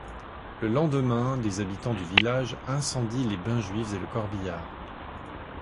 Le lendemain, des habitants du village incendient les bains juifs et le corbillard.